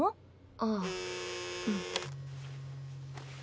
あっうん。